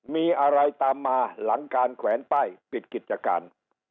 มีอะไรตามมาหลังการแขวนป้ายปิดกิจการ